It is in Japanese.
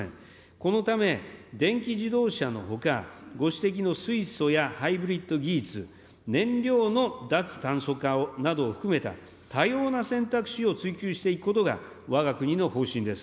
このため、電気自動車のほか、ご指摘の水素やハイブリッド技術、燃料の脱炭素化などを含めた多様な選択肢を追求していくことが、わが国の方針です。